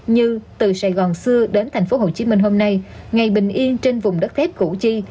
như từ sài gòn xưa đến thành phố hồ chí minh hôm nay ngày bình yên trên vùng đất thép củ chi